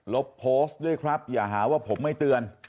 ลบโพสต์ด้วยครับอย่าหาว่าผมไม่เตือน